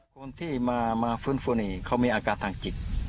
คนที่มาฟื้นฟูนี่เขามีอาการทางจิต